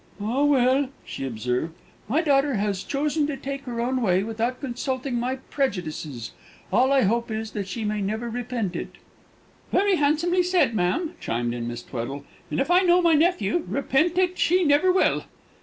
"Ah! well," she observed, "my daughter has chosen to take her own way, without consulting my prejudices. All I hope is, that she may never repent it!" "Very handsomely said, ma'am," chimed in Miss Tweddle; "and, if I know my nephew, repent it she never will!"